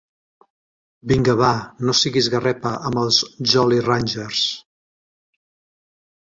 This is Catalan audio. Vinga, va... No siguis garrepa amb els Jolly Ranchers.